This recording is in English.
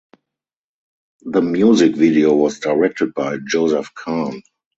The music video was directed by Joseph Kahn.